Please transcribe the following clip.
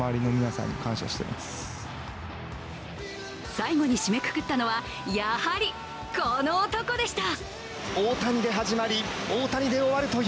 最後に締めくくったのはやはりこの男でした。